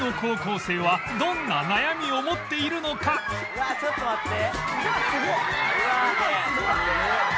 うわっちょっと待って。